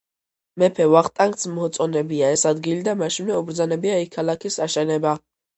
მეფე ვახტანგს მოწონებია ეს ადგილი და მაშინვე უბრძანებია იქ ქალაქის აშენება.